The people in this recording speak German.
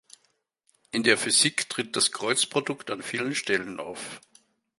In der Physik tritt das Kreuzprodukt an vielen Stellen auf.